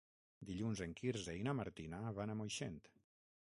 Dilluns en Quirze i na Martina van a Moixent.